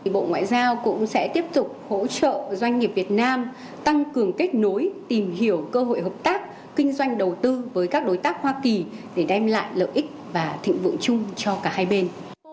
bộ ngoại giao cũng sẽ tiếp tục hỗ trợ doanh nghiệp việt nam tăng cường kết nối tìm hiểu cơ hội hợp tác kinh doanh đầu tư với các đối tác hoa kỳ để đem lại lợi ích và thịnh vượng chung cho cả hai bên